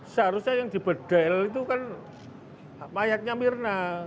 seharusnya yang dibedel itu kan mayatnya mirna